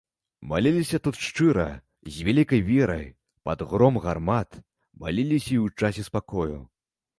Маліліся тут шчыра, з вялікай верай, пад гром гармат, маліліся і ў часе спакою.